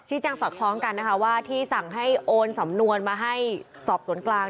แจ้งสอดคล้องกันนะคะว่าที่สั่งให้โอนสำนวนมาให้สอบสวนกลาง